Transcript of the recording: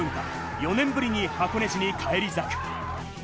４年ぶりに箱根路に返り咲く。